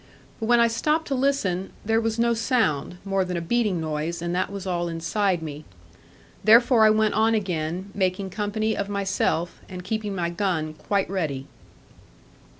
But when I stopped to listen, there was no sound, more than a beating noise, and that was all inside me. Therefore I went on again, making company of myself, and keeping my gun quite ready.